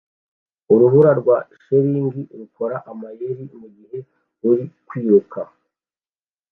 Urubura rwa shelegi rukora amayeri mugihe uri kwiruka